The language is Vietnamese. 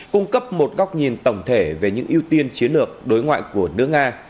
cung cấp một góc nhìn tổng thể về những ưu tiên chiến lược đối ngoại của nước nga